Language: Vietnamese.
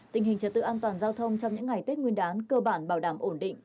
tình hình trật tự an toàn giao thông trong những ngày tết nguyên đán cơ bản bảo đảm ổn định